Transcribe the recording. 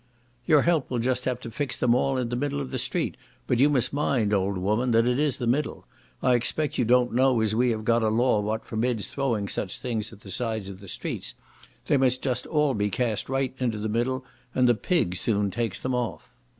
"Your Help will just have to fix them all into the middle of the street, but you must mind, old woman, that it is the middle. I expect you don't know as we have got a law what forbids throwing such things at the sides of the streets; they must just all be cast right into the middle, and the pigs soon takes them off."